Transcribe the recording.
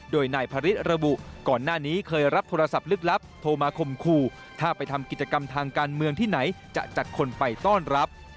โดยนายพระฤทธิระบุก่อนหน้านี้เคยรับโทรศัพท์ลึกลับโทรมาคมคู่ถ้าไปทำกิจกรรมทางการเมืองที่ไหนจะจัดคนไปต้อนรับ